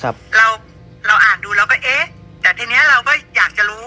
เราอ่านดูเราก็เอ๊ะแต่ทีนี้เราก็อยากจะรู้